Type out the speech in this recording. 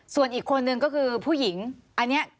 ส่วนอีกคนนึงก็คือผู้หญิงอันนี้